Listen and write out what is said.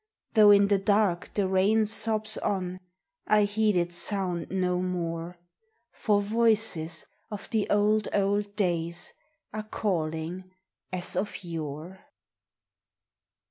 Though in the dark the rain sobs on, I heed its sound no more; For voices of the old, old days Are calling as of yore.